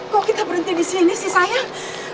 kok kita berhenti di sini sih sayang